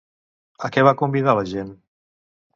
A què va convidar la gent?